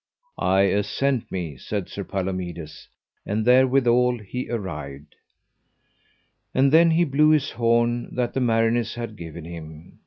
I assent me, said Sir Palomides; and therewithal he arrived. And then he blew his horn that the mariners had given him.